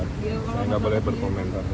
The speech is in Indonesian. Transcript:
bisa nggak boleh berkomentar